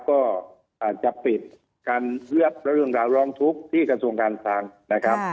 ก็อาจจะปิดการรับและเรื่องราวร้องทุกข์ที่กระทรวงการคลังนะครับ